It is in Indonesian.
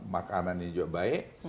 makanan juga baik